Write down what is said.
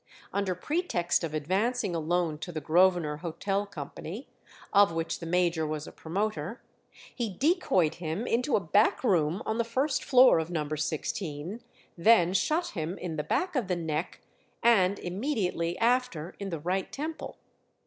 Under pretext of advancing a loan to the Grosvenor Hotel Company, of which the major was a promoter, he decoyed him into a back room on the first floor of No. 16, then shot him in the back of the neck, and immediately after in the right temple.